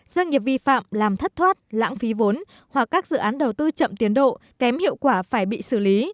doanh nghiệp vi phạm làm thất thoát lãng phí vốn hoặc các dự án đầu tư chậm tiến độ kém hiệu quả phải bị xử lý